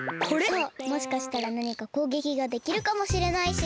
そうもしかしたらなにかこうげきができるかもしれないし。